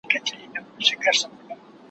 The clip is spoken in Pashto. د دې نوي کفن کښ نوې نخره وه